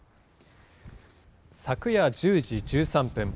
昨夜１０時１３分。